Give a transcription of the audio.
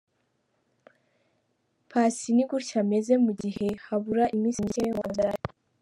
Passy ni gutya ameze mu gihe habura iminsi mike ngo abyare.